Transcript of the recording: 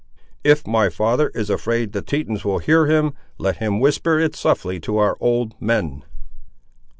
"If my father is afraid the Tetons will hear him, let him whisper it softly to our old men."